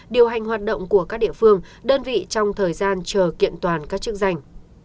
điều hành hoạt động của các địa phương đơn vị trong thời gian chờ kiện toàn các chức danh